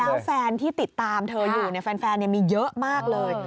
แล้วแฟนที่ติดตามเธออยู่แฟนมีเยอะมากเลย